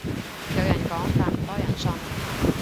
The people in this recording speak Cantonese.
有人講但唔多人信